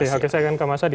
oke saya akan ke mas hadi